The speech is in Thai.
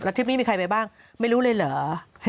ทริปนี้มีใครไปบ้างไม่รู้เลยเหรอ